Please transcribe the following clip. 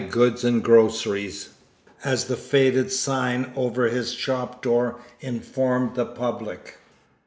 Goods and Groceries," as the faded sign over his shop door informed the public.